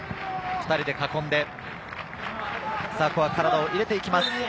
２人で囲んでここは体を入れていきます。